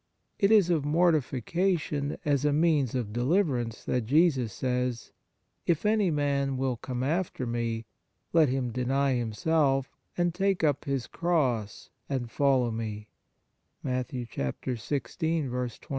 It is of mortification as a means of deliverance that Jesus says :" If any man will come after Me, let him deny himself, and take up his cross, and follow Me;"* and again: "What * Matt.